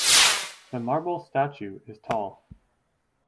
The marble statue is tall.